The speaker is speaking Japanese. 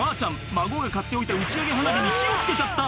孫が買っておいた打ち上げ花火に火を付けちゃった！